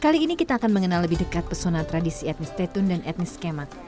kali ini kita akan mengenal lebih dekat pesona tradisi etnis tetun dan etnis kemak